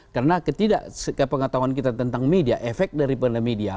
karena ketidaksekepengetahuan kita tentang media efek dari penerima media